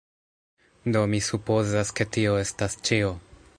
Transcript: Do, mi supozas ke tio estas ĉio.